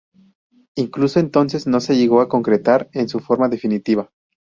Incluso entonces no se llegó a concretar en su forma definitiva.